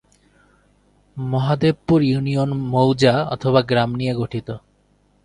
Mahadevpur union মৌজা/গ্রাম নিয়ে গঠিত।